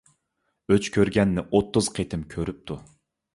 ئۆچ كۆرگەننى ئوتتۇز قېتىم كۆرۈپتۇ.